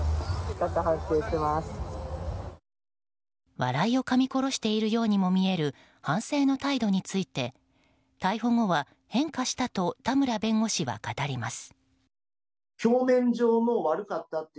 笑いをかみ殺しているようにも見える反省の態度について逮捕後は、変化したと田村弁護士は語ります。